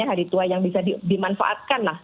hari tua yang bisa dimanfaatkan lah